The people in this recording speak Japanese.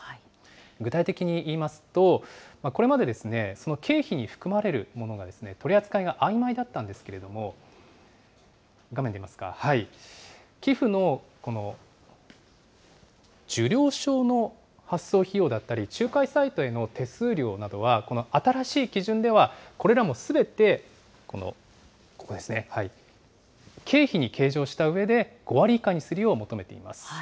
具体的に言いますと、これまで経費に含まれるものが取り扱いがあいまいだったんですけれども、画面出ますか、寄付の受領証の発送費用だったり、仲介サイトへの手数料などは、この新しい基準では、これらもすべてここですね、経費に計上したうえで、５割以下にするよう求めています。